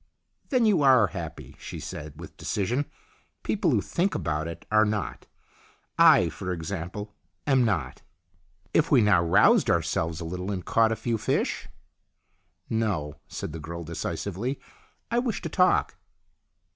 " Then you are happy," she said with decision. " People who think about it are not. I, for ex ample, am not." " If we now roused ourselves a little and caught a few fish" " No," said the girl, decisively, " I wish to talk."